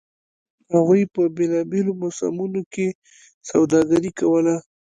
هغوی په بېلابېلو موسمونو کې سوداګري کوله